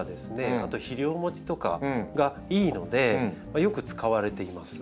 あと肥料もちとかがいいのでよく使われています。